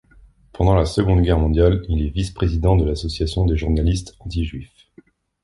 Pendant la Seconde Guerre mondiale, il est vice-président de l'Association des journalistes anti-juifs.